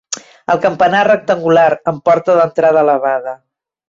El campanar és rectangular, amb porta d'entrada elevada.